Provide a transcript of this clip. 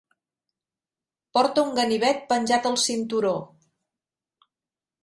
Porta un ganivet penjat al cinturó.